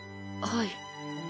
はい。